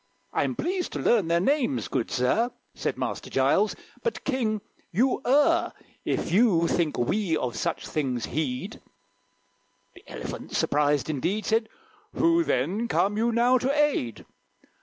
"I'm pleased to learn their names, good sir," Said Master Giles; "but, King, you err If you think we of such things heed." The Elephant, surprised indeed, Said, "Who, then, come you now to aid?"